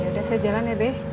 ya udah saya jalan ya be